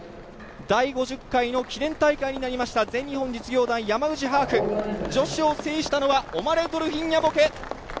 第５０回の記念大会になりました全日本実業団山口ハーフ女子を制したのはオマレ・ドルフィン・ニャボケ。